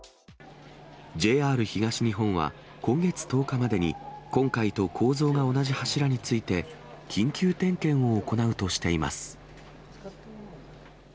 ＪＲ東日本は、今月１０日までに、今回と構造が同じ柱について、緊急点検を行うとしています。